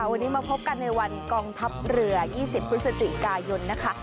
วันนี้มาพบกันในวันกองทัพเรือ๒๐พฤศจิกายนนะคะ